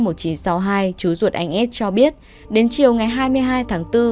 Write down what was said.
do sinh năm một nghìn chín trăm sáu mươi hai chú ruột anh s cho biết đến chiều ngày hai mươi hai tháng bốn